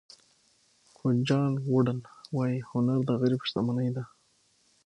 کوچ جان ووډن وایي هنر د غریب شتمني ده.